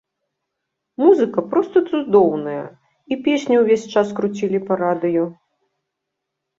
Музыка проста цудоўная, і песню ўвесь час круцілі па радыё.